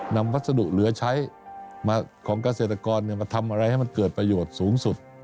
วัสดุเหลือใช้ของเกษตรกรมาทำอะไรให้มันเกิดประโยชน์สูงสุด